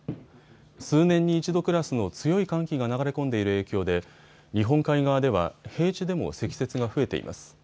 数年に一度クラスの強い寒気が流れ込んでいる影響で日本海側では平地でも積雪が増えています。